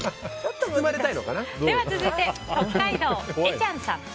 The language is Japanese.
続いて北海道の方。